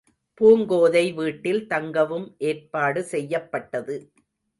பூங்கோதை வீட்டில் தங்கவும் ஏற்பாடு செய்யப்பட்டது.